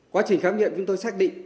quá trình khám nghiệm chúng tôi xác định